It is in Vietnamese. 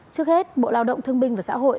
trước hết bộ lao động thương binh và xã hội